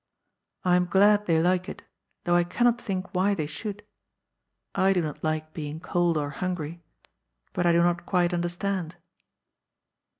^* I am glad they like it, though I cannot think why they should. I do not like being cold or hungry, but I do not quite understand."